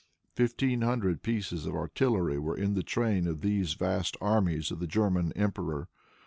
Fifteen hundred pieces of artillery were in the train of these vast armies of the German emperor.